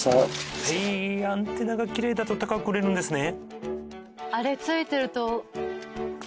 アンテナがきれいだと高く売れるんですね。